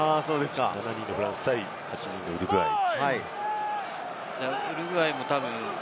７人のフランス対、８人のウルグアイ。